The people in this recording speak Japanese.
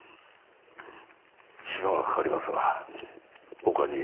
暇がかかりますが他に。